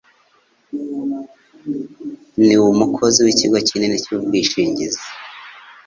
Ni umukozi w'ikigo kinini cy'ubwishingizi.